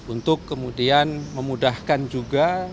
untuk kemudian memudahkan juga